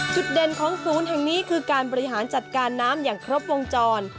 เด่นของศูนย์แห่งนี้คือการบริหารจัดการน้ำอย่างครบวงจร